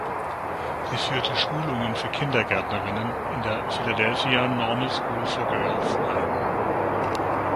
Sie führte Schulungen für Kindergärtnerinnen in der Philadelphia Normal School for Girls ein.